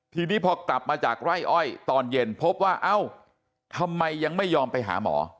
ทีนี้พอกลับมาจากไร่อ้อยตอนเย็นพบว่าเอ้าทำไมยังไม่ยอมไปหาหมอ